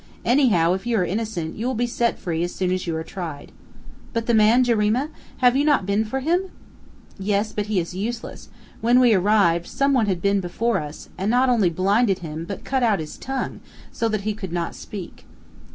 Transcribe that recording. Anyhow, if you are innocent, you will be set free as soon as you are tried." "But the man Jarima? Have you not been for him?" "Yes, but he is useless; when we arrived, some one had been before us, and not only blinded him, but cut out his tongue, so that he could not speak."